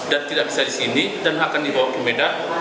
dan tidak bisa di sini dan akan dibawa ke medan